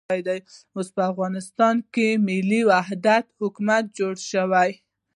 اوس په افغانستان کې د ملي وحدت حکومت جوړ شوی.